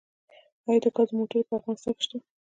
آیا د ګازو موټرې په افغانستان کې شته؟